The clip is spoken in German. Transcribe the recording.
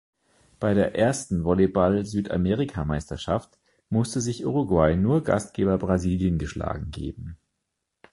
Bei der ersten Volleyball-Südamerikameisterschaft musste sich Uruguay nur Gastgeber Brasilien geschlagen geben.